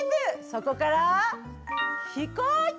そこから飛行機！